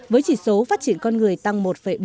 với chỉ số phát triển con người tăng một bốn mươi một